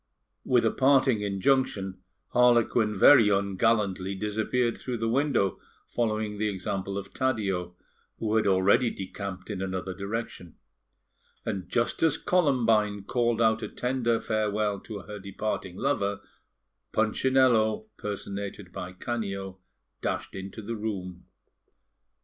With a parting injunction, Harlequin very ungallantly disappeared through the window, following the example of Taddeo, who had already decamped in another direction; and just as Columbine called out a tender farewell to her departing lover, Punchinello (personated by Canio) dashed into the room.